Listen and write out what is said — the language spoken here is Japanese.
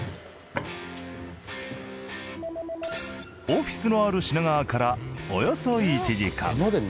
オフィスのある品川からおよそ１時間。